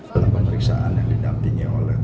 dalam pemeriksaan yang didampingi oleh